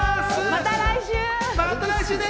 また来週ね！